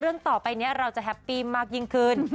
เรื่องต่อไปเนี่ยเราจะแฮปปี้มากยิ่งคืน